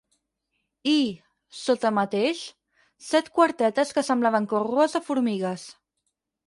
I, sota mateix, set quartetes que semblaven corrues de formigues.